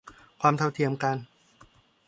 ความเท่าเทียมกัน